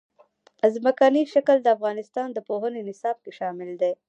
ځمکنی شکل د افغانستان د پوهنې نصاب کې شامل دي.